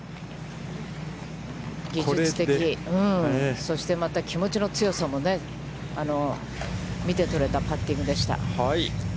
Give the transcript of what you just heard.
技術的、そしてまた気持ちの強さも見てとれたパッティングでした。